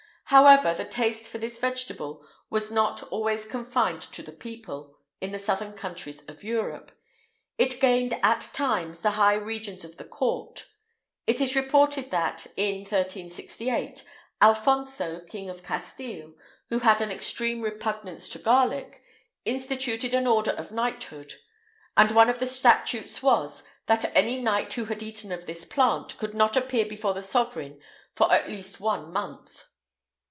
[IX 188] However, the taste for this vegetable was not always confined to the people, in the southern countries of Europe; it gained, at times, the high regions of the court. It is reported that, in 1368, Alphonso, King of Castile, who had an extreme repugnance to garlic, instituted an order of knighthood; and one of the statutes was, that any knight who had eaten of this plant, could not appear before the sovereign for at least one month.